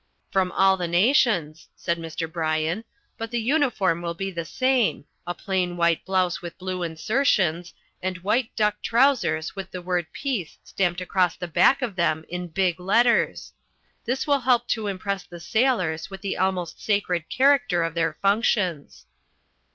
"From all the nations," said Mr. Bryan, "but the uniform will be all the same, a plain white blouse with blue insertions, and white duck trousers with the word PEACE stamped across the back of them in big letters. This will help to impress the sailors with the almost sacred character of their functions."